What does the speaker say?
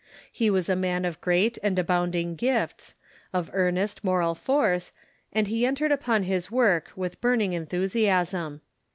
He was a man of great and abounding gifts, of earnest moral force, and he entered upon his work with burning enthusiasm.